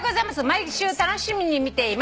「毎週楽しみに見ています」